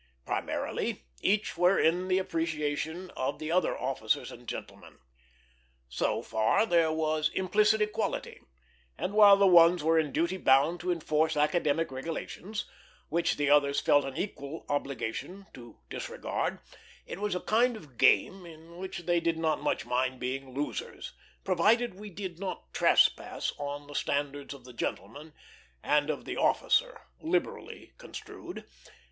Primarily, each were in the appreciation of the other officers and gentlemen. So far there was implicit equality; and while the ones were in duty bound to enforce academic regulations, which the others felt an equal obligation to disregard, it was a kind of game in which they did not much mind being losers, provided we did not trespass on the standards of the gentleman, and of the officer liberally construed.